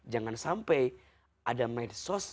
jangan sampai ada medsos